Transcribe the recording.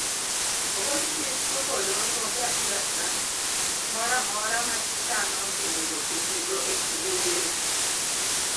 Ogol chik chopo e doho jasiasa moramora machano dhi muocho tulo e kinde yiero